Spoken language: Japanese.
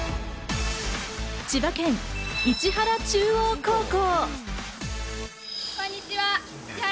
千葉県市原中央高校。